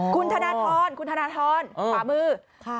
อ๋อคุณธนทรคุณธนทรขวามือค่ะ